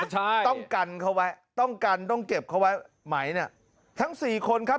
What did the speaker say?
ใช่ต้องกันเขาไว้ต้องกันต้องเก็บเขาไว้ไหมเนี่ยทั้งสี่คนครับ